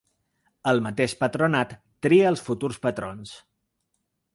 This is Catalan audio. El mateix patronat tria els futurs patrons.